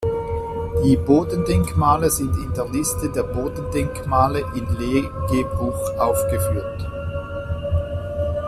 Die Bodendenkmale sind in der Liste der Bodendenkmale in Leegebruch aufgeführt.